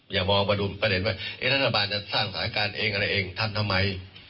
อย่ามองมาดูประเด็นว่ารัฐบาลจะสร้างสถานการณ์เองอะไรเองทำทำไม